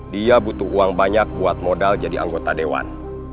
dia butuh uang banyak buat modal jadi anggota dewan